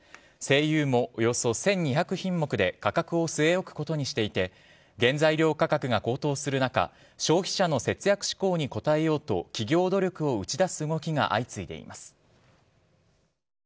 西友もおよそ１２００品目で価格を据え置くことにしていて原材料価格が高騰する中消費者の節約志向に応えようと企業努力を打ち出す動きが相次いでいます。